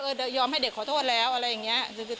ยอมให้เด็กขอโทษแล้วอะไรอย่างนี้